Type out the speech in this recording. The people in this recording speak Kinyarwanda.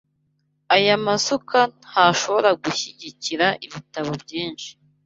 Aya masuka ntashobora gushyigikira ibitabo byinshi.